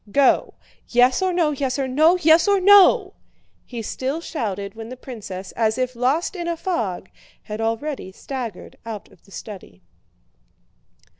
Go! Yes or no, yes or no, yes or no!" he still shouted when the princess, as if lost in a fog, had already staggered out of the study.